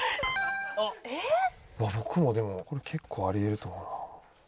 僕もでもこれ結構あり得ると思うな。